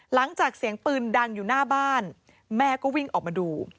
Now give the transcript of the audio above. เสียงปืนดังอยู่หน้าบ้านแม่ก็วิ่งออกมาดู